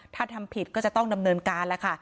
ถ้าทำผิดก็จะต้องดำเนินการแล้วค่ะ